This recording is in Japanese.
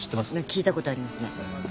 聞いたことありますね。